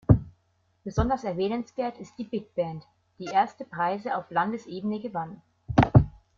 Besonders erwähnenswert ist die Big Band, die erste Preise auf Landesebene gewann.